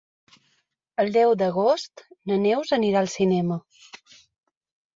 El deu d'agost na Neus anirà al cinema.